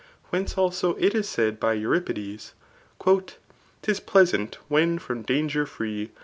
Whence^ also, it is said [by Euripides,] ■.'\ »Tis pleasant when from dan^r free.